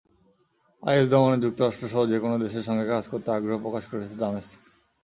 Is দমনে যুক্তরাষ্ট্রসহ যেকোনো দেশের সঙ্গে কাজ করতে আগ্রহ প্রকাশ করেছে দামেস্ক।